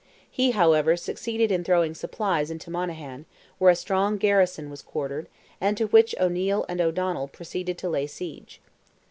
He, however, succeeded in throwing supplies into Monaghan, where a strong garrison was quartered, and to which O'Neil and O'Donnell proceeded to lay siege.